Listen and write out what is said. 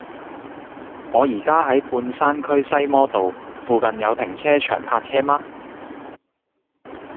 我依家喺半山區西摩道，附近有停車場泊車嗎